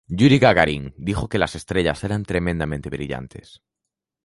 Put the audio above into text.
Yuri Gagarin dijo que las estrellas eran tremendamente brillantes.